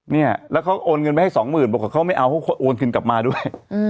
เนี่ยแล้วเขาโอนเงินไปให้สองหมื่นบอกว่าเขาไม่เอาเขาโอนคืนกลับมาด้วย